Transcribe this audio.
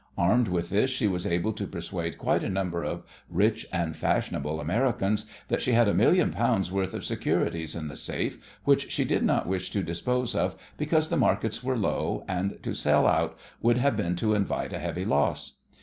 Armed with this she was able to persuade quite a number of rich and fashionable Americans that she had a million pounds worth of securities in the safe which she did not wish to dispose of because the markets were low, and to sell out would have been to invite a heavy loss.